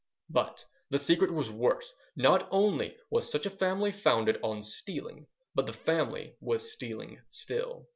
But the secret was worse; not only was such a family founded on stealing, but the family was stealing still.